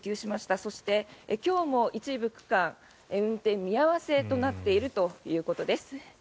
そして、今日も一部区間運転見合わせとなっているということです。